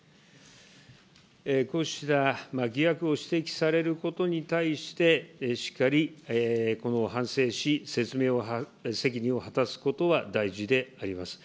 こうした疑惑を指摘されることに対して、しっかりこの反省し、説明責任を果たすことは大事であります。